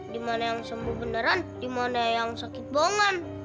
di mana yang sembuh beneran di mana yang sakit bohongan